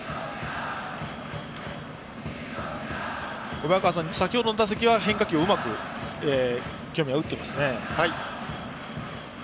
小早川さん、先程の打席は変化球をうまく清宮、打っていましたね。